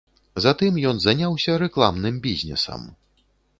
Затым ён заняўся рэкламным бізнесам.